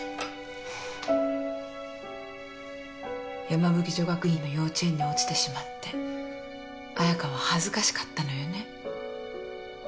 山吹女学院の幼稚園に落ちてしまって彩香は恥ずかしかったのよね？